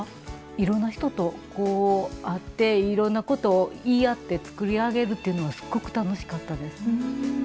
いろんな人とこう会っていろんなことを言い合って作り上げるっていうのはすっごく楽しかったです。